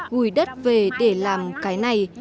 gùi đất về để làm cái này